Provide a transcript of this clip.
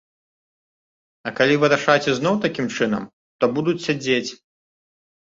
А калі вырашаць ізноў такім чынам, то будуць сядзець.